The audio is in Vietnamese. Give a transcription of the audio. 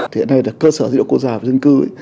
thì hiện nay là cơ sở dịch vụ quốc gia và dân cư